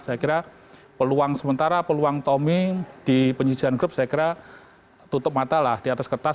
saya kira peluang sementara peluang tommy di penyisian grup saya kira tutup mata lah di atas kertas